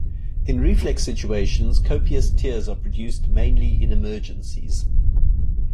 In reflex situations, copious tears are produced mainly in emergencies.